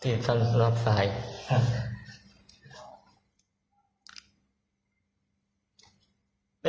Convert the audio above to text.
เรียนรับจริงสำหรับที่สร้างสอบสาย